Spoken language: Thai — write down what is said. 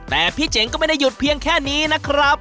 แต่พี่เจ๋งก็ไม่ได้หยุดเพียงแค่นี้นะครับ